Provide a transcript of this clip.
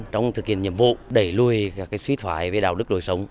trong thực hiện nhiệm vụ đẩy lùi các suy thoái về đạo đức lối sống